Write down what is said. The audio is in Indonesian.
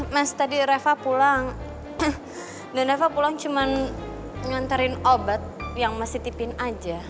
mas tadi reva pulang dan reva pulang cuma nganterin obat yang masih tipin aja